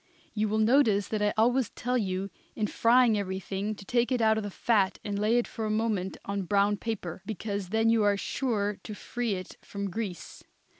You will notice that I always tell you in frying everything to take it out of the fat and lay it for a moment on brown paper, because then you are sure to free it from grease.